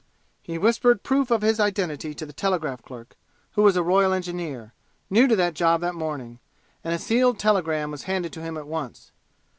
He whispered proof of his identity to the telegraph clerk, who was a Royal Engineer, new to that job that morning, and a sealed telegram was handed to him at once.